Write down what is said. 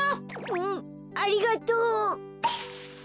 うんありがとう！